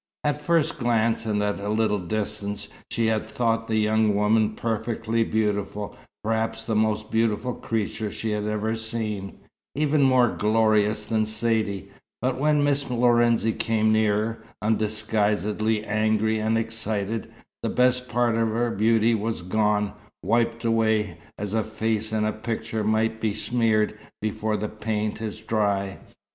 At first glance and at a little distance, she had thought the young woman perfectly beautiful, perhaps the most beautiful creature she had ever seen even more glorious than Saidee. But when Miss Lorenzi came nearer, undisguisedly angry and excited, the best part of her beauty was gone, wiped away, as a face in a picture may be smeared before the paint is dry.